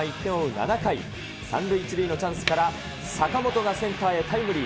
７回、３塁１塁のチャンスから、坂本がセンターへタイムリー。